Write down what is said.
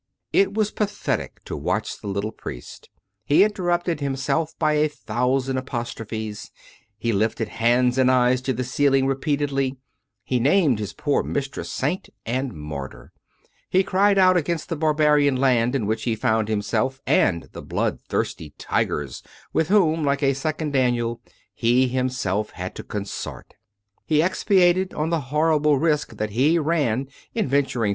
It was pathetic to watch the little priest. He interrupted himself by a thousand apostrophes; he lifted hands and eyes to the ceiling repeatedly; he named his poor mistress saint and martyr; he cried out against the barbarian land in which he found himself, and the bloodthirsty tigers with whom, like a second Daniel, he himself had to consort; he expatiated on the horrible risk that he ran in venturing 340 COME RACK! COME ROPE!